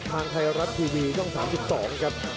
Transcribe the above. ทางไทยรัฐทีวีช่อง๓๒ครับ